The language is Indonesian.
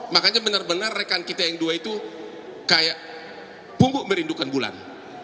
makanya benar benar rekan kita yang dua itu kayak pungguk merindukan bulan